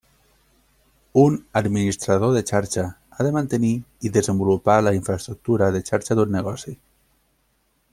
Un administrador de xarxa ha de mantenir i desenvolupar la infraestructura de xarxa d'un negoci.